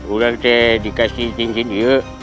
udah dikasih cincin itu